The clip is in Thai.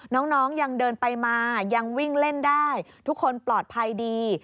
น้องยังเดินไปมายังวิ่งเล่นได้ทุกคนปลอดภัยดี